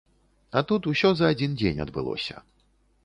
А тут усё за адзін дзень адбылося.